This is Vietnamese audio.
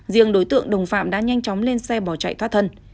riêng đối tượng đồng phạm đã nhanh chóng lên xe bỏ chạy thoát thân